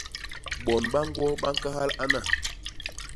Bon ba ñgwo ba ñkahal ana.